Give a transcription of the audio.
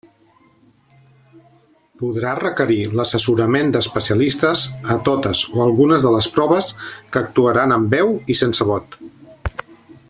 Podrà requerir l'assessorament d'especialistes a totes o algunes de les proves, que actuaran amb veu i sense vot.